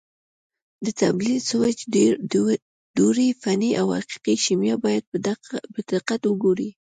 د تبدیل سویچ دورې فني او حقیقي شیما باید په دقت وګورئ.